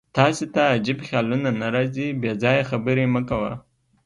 تاسې ته عجیب خیالونه نه راځي؟ بېځایه خبرې مه کوه.